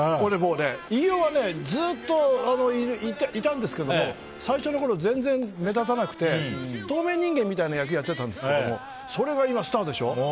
飯尾はずっといたんですけど最初のころ、全然目立たなくて透明人間みたいな役をやってたんですけどそれが今、スターでしょ？